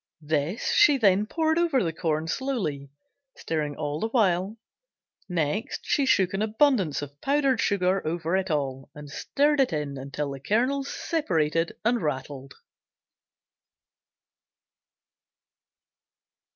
This she then poured over the corn slowly, stirring all the while, next she shook an abundance of powdered sugar over it all and stirred it in until the kernels separated and rattled.